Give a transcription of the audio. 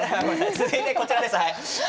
続いてはこちらです。